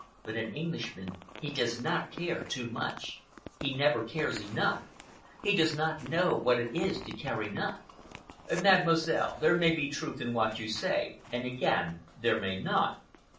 But an Englishman he does not care too much. He never cares enough. He does not know what it is to care enough." "Mademoiselle, there may be truth in what you say, and again there may not.